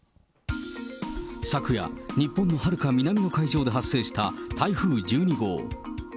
昨夜、日本のはるか南の海上で発生した台風１２号。